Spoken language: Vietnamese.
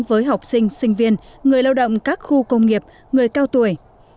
với học sinh sinh viên người lao động các khu công nghiệp người cao tuổi